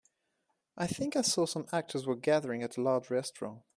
I think I saw some actors were gathering at a large restaurant.